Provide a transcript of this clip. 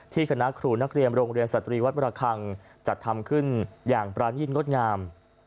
คณะครูนักเรียนโรงเรียนสตรีวัดประคังจัดทำขึ้นอย่างปรานีตงดงาม